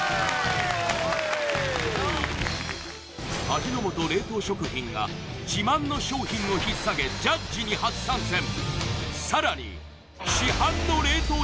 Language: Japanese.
味の素冷凍食品が自慢の商品をひっさげジャッジに初参戦